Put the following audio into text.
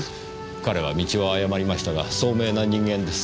彼は道を誤りましたが聡明な人間です。